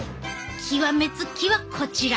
極め付きはこちら！